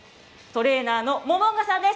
トレーナーのモモンガです。